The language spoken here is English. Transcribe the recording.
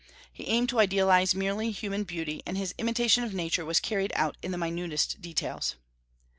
He aimed to idealize merely human beauty, and his imitation of Nature was carried out in the minutest details.